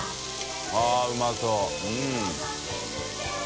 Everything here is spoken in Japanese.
あっうまそう。